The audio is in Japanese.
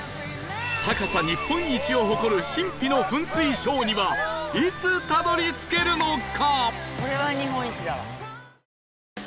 高さ日本一を誇る神秘の噴水ショーにはいつたどり着けるのか？